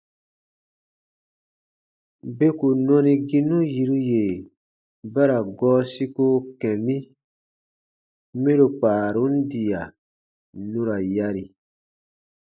Beku nɔniginu yiru yè ba ra gɔɔ siko kɛ̃ mi mɛro kpaarun diya nu ra yari.